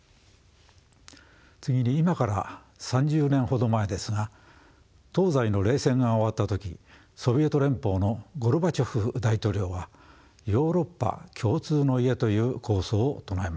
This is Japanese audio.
次に今から３０年ほど前ですが東西の冷戦が終わった時ソビエト連邦のゴルバチョフ大統領は「ヨーロッパ共通の家」という構想を唱えました。